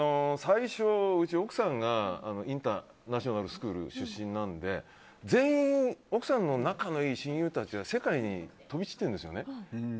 うちは、奥さんがインターナショナルスクール出身なので全員、奥さんの仲のいい親友たちが世界に飛び散っているんですよね。